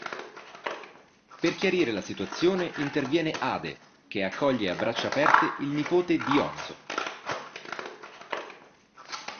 Per chiarire la situazione interviene Ade, che accoglie a braccia aperte il nipote Dioniso.